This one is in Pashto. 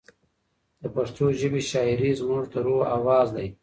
د پښتو ژبې شاعري زموږ د روح اواز دی.